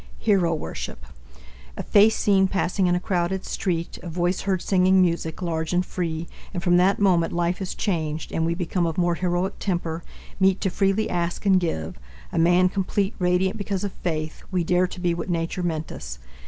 Hero Worship A face seen passing in a crowded street, A voice heard singing music, large and free; And from that moment life is changed, and we Become of more heroic temper, meet To freely ask and give, a man complete Radiant because of faith, we dare to be What Nature meant us.